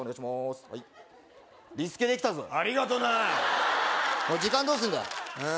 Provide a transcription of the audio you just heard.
はいリスケできたぞありがとなおい時間どうすんだよあー